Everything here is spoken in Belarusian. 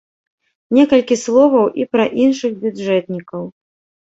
Некалькі словаў і пра іншых бюджэтнікаў.